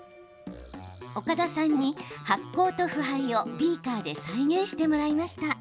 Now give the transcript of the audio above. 岡田さんに発酵と腐敗をビーカーで再現してもらいました。